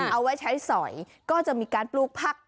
เอาไว้ใช้สอยก็จะมีการปลูกผัก